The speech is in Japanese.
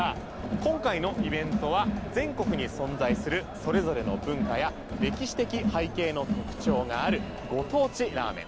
今回のイベントは全国に存在するそれぞれの文化や歴史的背景の特徴があるご当地ラーメン。